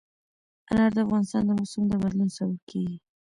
انار د افغانستان د موسم د بدلون سبب کېږي.